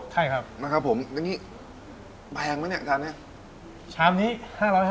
ใช่ครับนะครับผมแล้วนี่แบงมั้ยเนี่ยชาติเนี่ย